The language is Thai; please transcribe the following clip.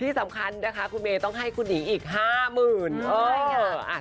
ที่สำคัญนะคะคุณเมย์ต้องให้คุณหญิงอีก๕๐๐๐